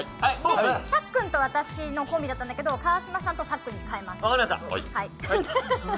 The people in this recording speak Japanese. さっくんと私のコンビだったんだけど、川島さんとさっくんに変えます。